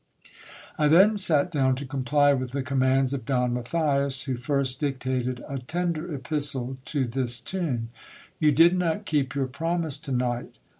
I then sat down to comply with the commands of Don Matthias, who first dictated a tender epistle to this tune — You did not keep your promise to night.